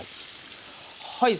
はい。